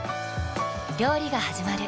料理がはじまる。